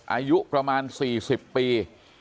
อายุประมาณ๔๐ปี